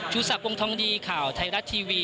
ชุศัพท์วงทองดีข่าวไทยรัฐทีวี